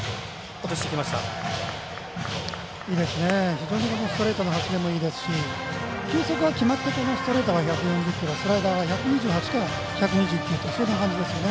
非常にこのストレートの走りもいいですし球速は決まってストレートは１４０キロスライダーは１２８から１２９とそういう感じですよね。